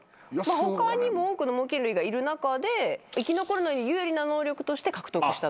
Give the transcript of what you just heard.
他にも多くの猛きん類がいる中で生き残るのに有利な能力として獲得したと。